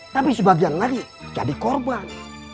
tapi sebagian lagi jadi korban